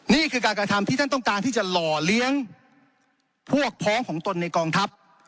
นี่คือการกระทำที่ท่านต้องการที่จะหล่อเลี้ยงพวกพ้องของตนในกองทัพ